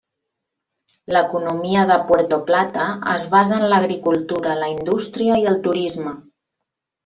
L'economia de Puerto Plata es basa en l'agricultura, la indústria i el turisme.